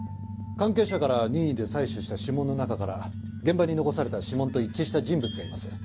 関係者から任意で採取した指紋の中から現場に残された指紋と一致した人物がいます。